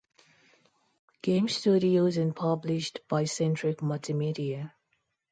Game Studios and published by Centric Multimedia.